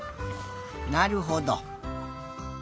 なるほど。